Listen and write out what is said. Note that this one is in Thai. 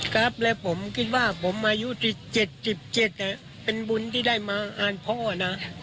ครับและผมคิดว่าผมอายุ๗๗เป็นบุญที่ได้มาอ่านพ่อนะ